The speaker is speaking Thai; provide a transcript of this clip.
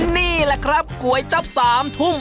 นี่แหละครับก๋วยจั๊บ๓ทุ่ม